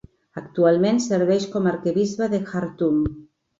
Actualment serveix com a Arquebisbe de Khartum.